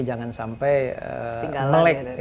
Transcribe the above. jangan sampai melek